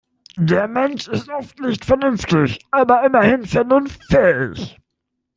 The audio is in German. Der Mensch ist oft nicht vernünftig, aber immerhin vernunftfähig.